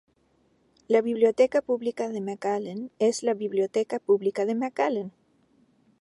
La Biblioteca Pública de McAllen es la biblioteca pública de McAllen.